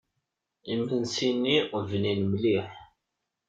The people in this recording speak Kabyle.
Imensi-nni bnin mliḥ.